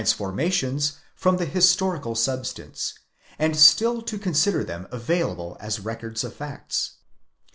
55 formations from the historical substance, and still to consider them available as records of facts.